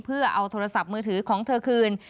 เพื่อเอาโทรศัพท์มือถือของเธอคืน